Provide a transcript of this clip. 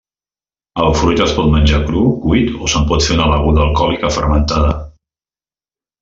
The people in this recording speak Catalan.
El fruit es pot menjar cru, cuit o se'n pot fer una beguda alcohòlica fermentada.